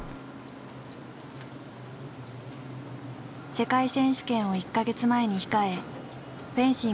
世界選手権を１か月前に控えフェンシング日本チームの強化